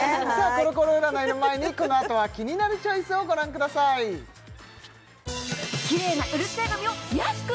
コロコロ占いの前にこのあとは「キニナルチョイス」をご覧ください入れたい！